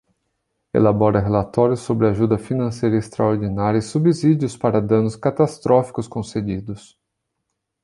Elabora relatórios sobre ajuda financeira extraordinária e subsídios para danos catastróficos concedidos.